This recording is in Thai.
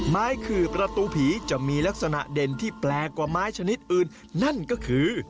ขื่อประตูผีจะมีลักษณะเด่นที่แปลกกว่าไม้ชนิดอื่นนั่นก็คือ